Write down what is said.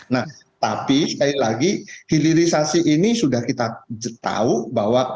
nah tapi sekali lagi hilirisasi ini sudah kita tahu bahwa